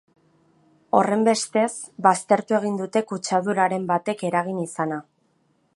Horrenbestez, baztertu egin dute kutsaduraren batek eragin izana.